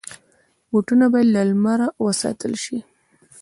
بوټونه باید له لمره وساتل شي.